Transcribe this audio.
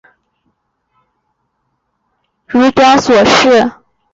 大体上玉钢所含成分如表所示。